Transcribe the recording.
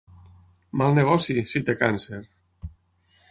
Mal negoci, si té càncer!